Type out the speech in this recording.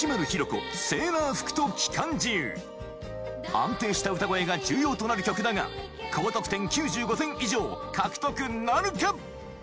安定した歌声が重要となる曲だが高得点９５点以上獲得なるか？